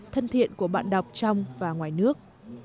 thân thiện của bạn đọc trong và ngoài nước